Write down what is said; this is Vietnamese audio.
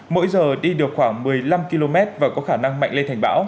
mỗi giờ đi được khoảng một mươi năm km và có khả năng mạnh